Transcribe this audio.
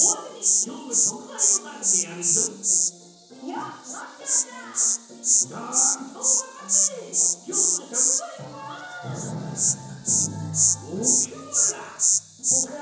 きょうのしょくざいはオクラ！